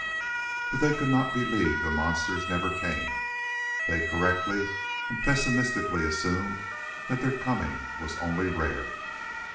But they could not believe the monsters never came. They correctly and pessimistically assumed that their coming was only rare.